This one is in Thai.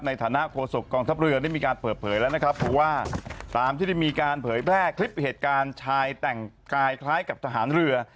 ในฐานะโฆษกองทัพเรือได้มีการเปิดเผยแล้วนะครับเพราะว่าตามที่ได้มีการเผยแพร่คลิปเหตุการณ์ชายแต่งกายคล้ายกับทหารเรือ